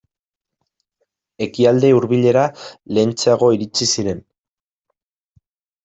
Ekialde Hurbilera lehentxeago iritsi ziren.